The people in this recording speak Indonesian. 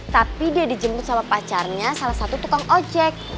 tapi dia dijemput sama pacarnya salah satu tukang ojek